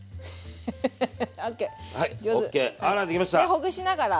でほぐしながら。